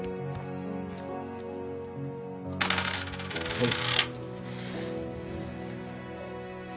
はい。